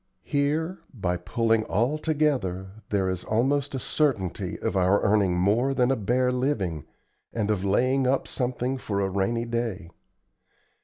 Here, by pulling all together, there is almost a certainty of our earning more than a bare living, and of laying up something for a rainy day.